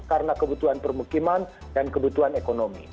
karena kebutuhan permukiman dan kebutuhan ekonomi